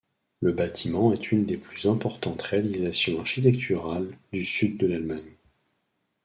Le bâtiment est une des plus importantes réalisations architecturales du sud de l'Allemagne.